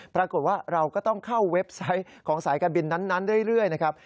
ปรากฏว่าเราก็ต้องเข้าเว็บไซต์ของสายการบินนั้นเรื่อยนะครับ